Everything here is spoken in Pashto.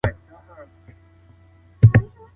که وخت وي، سبزيجات خورم.